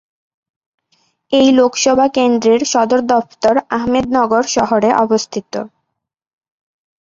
এই লোকসভা কেন্দ্রের সদর দফতর আহমেদনগর শহরে অবস্থিত।